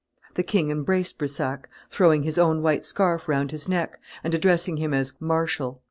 The king embraced Brissac, throwing his own white scarf round his neck, and addressing him as "Marshal."